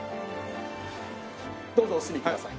どうぞお進みください。